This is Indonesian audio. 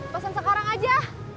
pesan sekarang aja